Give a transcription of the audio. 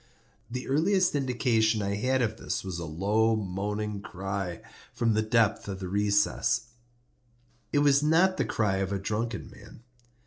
The earliest indication I had of this was a low moaning cry from the depth of the recess. It was not the cry of a drunken man.